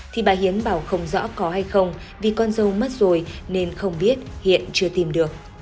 thì bà hiến bảo không rõ có hay không vì con dâu mất rồi nên không biết hiện chưa tìm được